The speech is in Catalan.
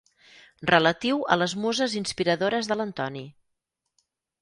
Relatiu a les muses inspiradores de l'Antoni.